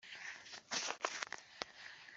Y'umururumba izira guhaga